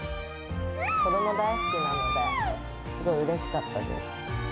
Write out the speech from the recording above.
子ども大好きなので、すごいうれしかったです。